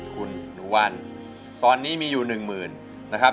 คุณหนูวันตอนนี้มีอยู่หนึ่งหมื่นนะครับ